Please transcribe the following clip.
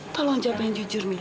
tolong jawab yang jujur mila